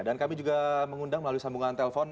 dan kami juga mengundang melalui sambungan telpon